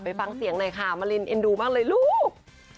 ฟังเสียงหน่อยค่ะมารินเอ็นดูมากเลยลูก